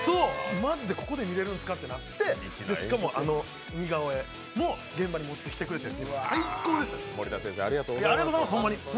マジでここで見れるんすかってなって、しかもあの似顔絵も現場に持ってきてくれて、最高でした。